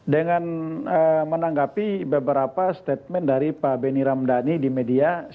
dengan menanggapi beberapa statement dari pak benny ramdhani di media